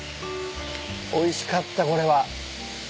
おいしかったこれは。